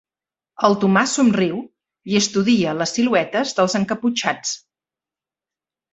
El Tomàs somriu i estudia les siluetes dels encaputxats.